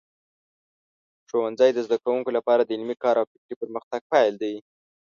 ښوونځی د زده کوونکو لپاره د علمي کار او فکري پرمختګ پیل دی.